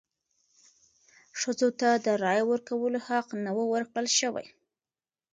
ښځو ته د رایې ورکولو حق نه و ورکړل شوی.